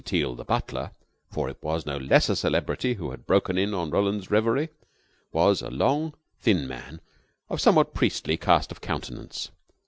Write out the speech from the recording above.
Teal, the butler for it was no less a celebrity who had broken in on Roland's reverie was a long, thin man of a somewhat priestly cast of countenance.